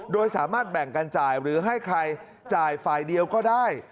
โดยสามารถแบ่งกันจ่ายหรือให้ใครจ่ายฝ่ายเดียวก็ได้